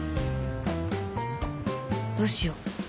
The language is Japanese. どうしよう？